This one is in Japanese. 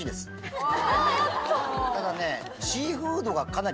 ただね。